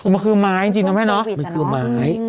แล้วคือไม้จริงออมทุนโรวิดอะเนอะ